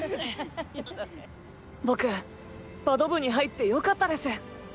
僕バド部に入って良かったです。